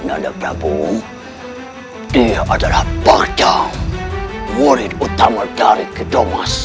nanda prabowo dia adalah bakta murid utama dari kedomas